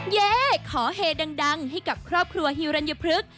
เย่ขอเฮดังให้กับครอบครัวฮิวรัญพฤกษ์